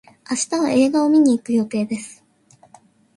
明日は映画を見に行く予定です。